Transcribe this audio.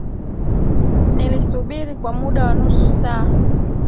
Nilisubiri kwa muda wa nusu saa